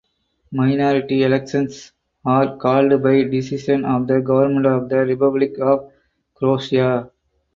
Minority elections are called by decision of the Government of the Republic of Croatia.